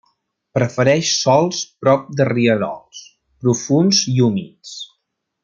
Prefereix sòls prop de rierols, profunds i humits.